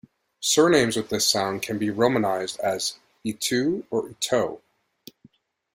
Surnames with this sound can also be romanized as Itou or Itoh.